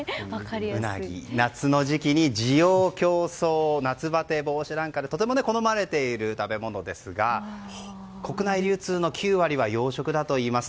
うなぎ、夏の時期に滋養強壮夏バテ防止なんかでとても好まれている食べ物ですが国内流通の９割は養殖だといいます。